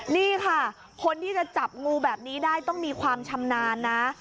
นี่ค่ะคนที่จะจับงูแบบนี้ได้ต้องมีความชำนาญนะ